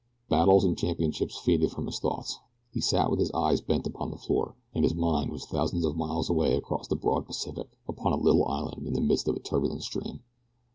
Battles and championships faded from his thoughts. He sat with his eyes bent upon the floor, and his mind was thousands of miles away across the broad Pacific upon a little island in the midst of a turbulent stream.